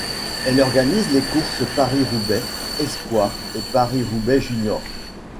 Elle organise les courses Paris-Roubaix espoirs et Paris-Roubaix juniors.